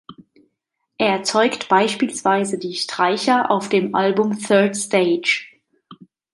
Er erzeugt beispielsweise die „Streicher“ auf dem Album "Third Stage".